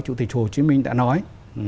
chủ tịch hồ chí minh đã nói